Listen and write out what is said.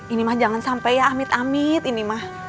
ini mah jangan sampai ya amit amit ini mah